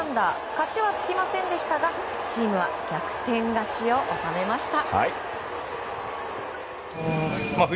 勝ちはつきませんでしたがチームは逆転勝ちを収めました。